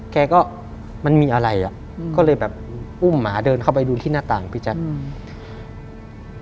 แกก็มันมีอะไรอ่ะอืมก็เลยแบบอุ้มหมาเดินเข้าไปดูที่หน้าต่างพี่แจ๊คอืม